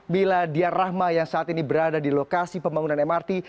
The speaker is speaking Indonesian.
miladia rahma yang saat ini berada di lokasi pembangunan mrt